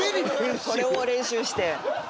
これを練習して。